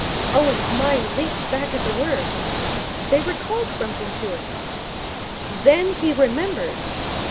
Owen's mind leaped back at the words. They recalled something to him. Then he remembered.